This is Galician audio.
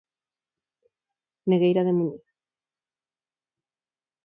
Negueira de Muñiz.